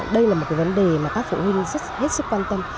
đây là một cái vấn đề mà các phụ huynh rất hết sức quan tâm